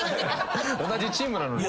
同じチームなのに。